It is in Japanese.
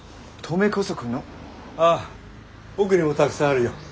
ああ奥にもたくさんあるよ。